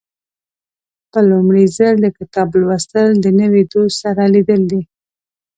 په لومړي ځل د کتاب لوستل د نوي دوست سره لیدل دي.